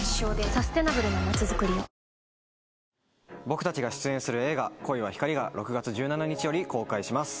僕たちが出演する映画「恋は光」が６月１７日より公開します